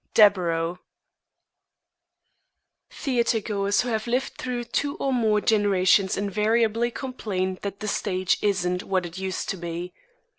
Deburau Theatergoers who have lived through two or more generations invariably complain that the stage isn't what it used to be.